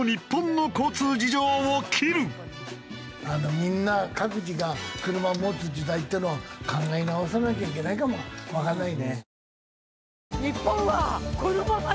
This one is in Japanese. みんな各自が車を持つ時代っていうのを考え直さなきゃいけないかもわかんないね。